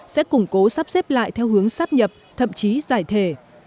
sẽ củng cố sắp xếp lại theo hướng sắp nhập thậm chí giải thể